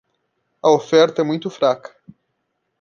A oferta é muito fraca.